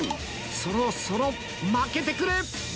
そろそろ負けてくれ！